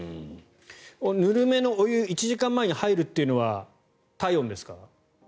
ぬるめのお湯１時間前に入るというのは体温ですか？